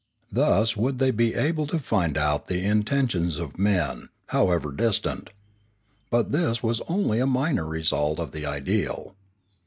Thus would they be able to find out the in tentions of men, however distant. But this was only a minor result of the ideal.